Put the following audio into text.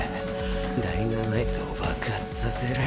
「ダイナマイトを爆発させる」